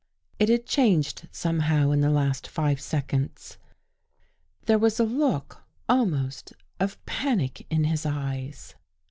It had changed somehow in the last five seconds. There was a look almost of panic in his eyes.